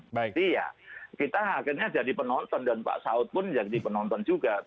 jadi ya kita akhirnya jadi penonton dan pak saud pun jadi penonton juga